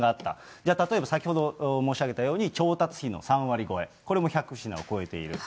じゃあ例えば先ほど申し上げたように、調達費の３割超え、これも１００品を超えている。